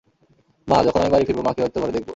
মা, যখন আমি বাড়ি ফিরব মাকে হয়তো ঘরে দেখবো।